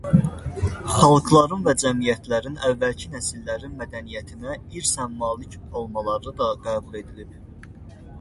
Xalqların və cəmiyyətlərin əvvəlki nəsillərin mədəniyyətinə irsən malik olmaları da qəbul edilib.